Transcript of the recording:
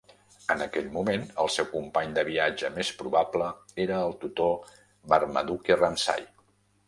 En aquell moment el seu company de viatge més probable era el tutor Marmaduke Ramsay.